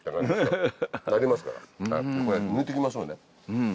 抜いて行きましょうね。